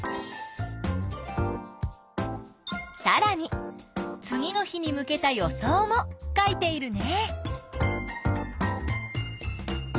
さらに次の日に向けた予想も書いているね。